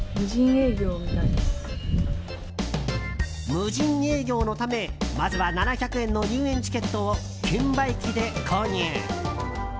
無人営業のためまずは７００円の入園チケットを券売機で購入。